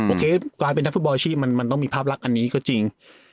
โอเคการเป็นนักฟุตบอลชีพมันต้องมีภาพลักษณ์อันนี้ก็จริง